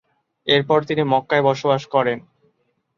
এরপর তিনি মক্কায় বসবাস করেন।